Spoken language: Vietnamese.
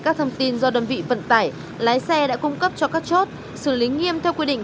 các thông tin do đơn vị vận tải lái xe đã cung cấp cho các chốt xử lý nghiêm theo quy định